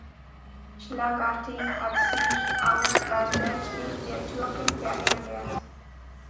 Schlagartig hat sich auch das Weltbild der Türken verändert.